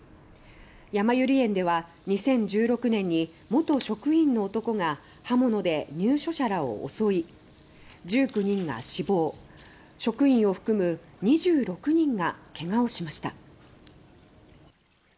やまゆり園では２０１６年に元職員の男が刃物で入所者らを襲い１９人が死亡、職員を含む２６人が怪我をしました。